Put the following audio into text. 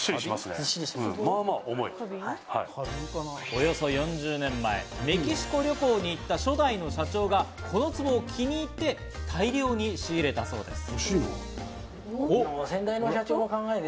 およそ４０年前、メキシコ旅行に行った初代の社長がこのツボを気に入って大量に仕入れたそうです。